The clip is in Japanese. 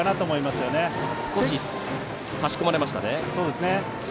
すこし差し込まれました。